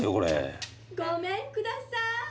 ・ごめんください。